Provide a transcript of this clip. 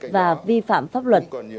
và vi phạm pháp luật